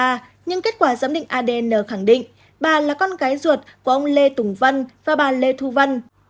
nhưng kết quả giám định adn khẳng định bà là con gái ruột của ông lê tùng vân và bà lê thu vân